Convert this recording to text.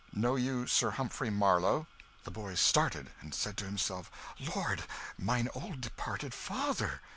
"Know you Sir Humphrey Marlow?" The boy started, and said to himself, "Lord! mine old departed father!"